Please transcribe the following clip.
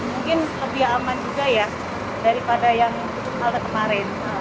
mungkin lebih aman juga ya daripada yang halte kemarin